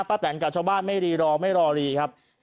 แตนกับชาวบ้านไม่รีรอไม่รอรีครับ